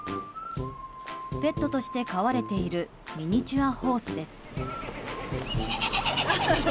ペットとして飼われているミニチュアホースです。